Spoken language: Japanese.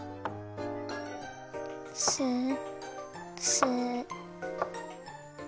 すす。